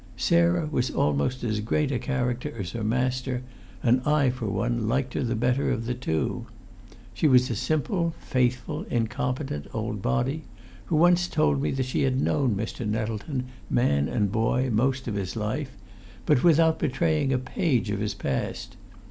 Sarah was almost as great a character as her master, and I for one liked her the better of the two. She was a simple, faithful, incompetent old body, who once told me that she had known Mr. Nettleton, man and boy, most of his life, but without betraying a page of his past.